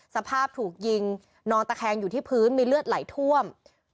สภาพถูกยิงนอนตะแคงอยู่ที่พื้นมีเลือดไหลท่วม